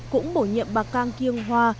cũng bổ nhiệm bà kang kiêng hoa